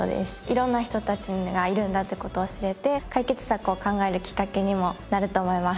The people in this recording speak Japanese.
色んな人たちがいるんだっていう事を知れて解決策を考えるきっかけにもなると思います。